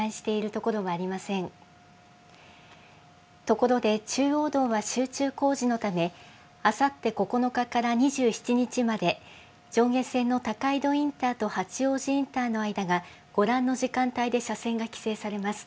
ところで、中央道は集中工事のため、あさって９日から２７日まで、上下線の高井戸インターと八王子インターの間がご覧の時間帯で車線が規制されます。